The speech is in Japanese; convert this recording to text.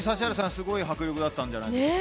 すごい迫力だったんじゃないですか。